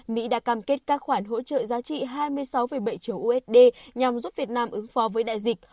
mỹ đã cam kết các khoản hỗ trợ giá trị hai mươi sáu bảy triệu usd nhằm giúp việt nam ứng phó với đại dịch